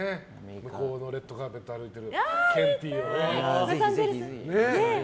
向こうのレッドカーペット歩いてるケンティーをね。